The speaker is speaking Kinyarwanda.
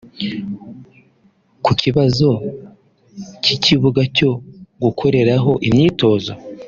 Ku kibazo cy’ikibuga cyo gukoreraho imyitozo